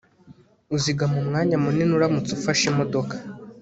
uzigama umwanya munini uramutse ufashe imodoka